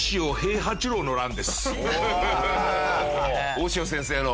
大塩先生の。